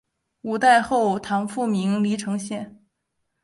五代后唐复名黎城县。